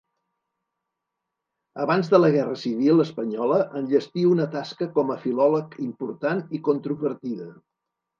Abans de la guerra civil espanyola enllestí una tasca com a filòleg important i controvertida.